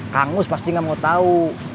kangus pasti nggak mau tahu